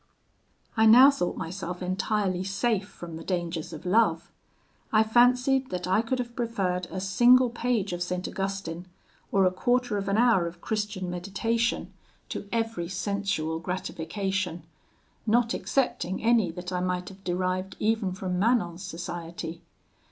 "I now thought myself entirely safe from the dangers of love. I fancied that I could have preferred a single page of St. Augustine, or a quarter of an hour of Christian meditation, to every sensual gratification, not excepting any that I might have derived even from Manon's society.